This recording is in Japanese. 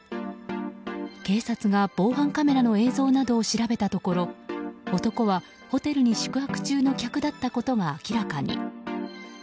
警察が、防犯カメラの映像などを調べたところ男はホテルに宿泊中の客だったことが明らかに。